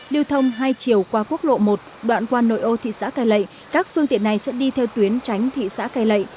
lưu thông hai chiều qua quốc lộ một đoạn qua nội ô thị xã cai lệ các phương tiện này sẽ đi theo tuyến tránh thị xã cai lệ